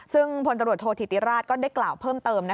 ซึ่งพลตำรวจโทษธิติราชก็ได้กล่าวเพิ่มเติม